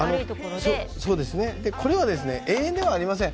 これは永遠ではありません。